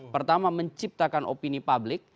pertama menciptakan opini publik